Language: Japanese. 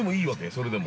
それでも。